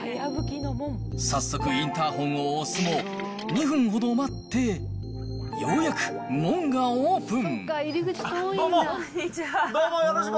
早速インターホンを押すも、２分ほど待って、ようやく門がオープン。